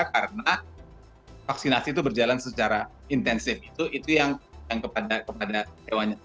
karena vaksinasi itu berjalan secara intensif itu yang kepada hewannya